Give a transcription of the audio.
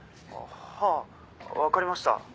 はぁ分かりました。